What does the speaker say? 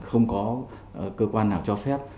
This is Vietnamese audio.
không có cơ quan nào cho phép